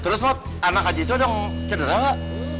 terus mbah anak aja itu ada yang cedera mbah